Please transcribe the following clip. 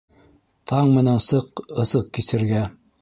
Таң менән сыҡ ысыҡ кисергә